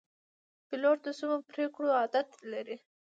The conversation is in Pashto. پیلوټ د سمو پرېکړو عادت لري.